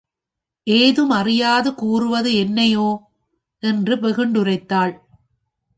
ஏதும் அறியாது கூறுவது என்னையோ? என்று வெகுண்டுரைத்தாள்.